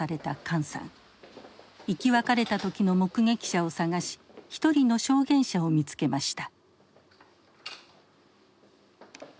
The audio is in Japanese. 生き別れた時の目撃者を探し一人の証言者を見つけました。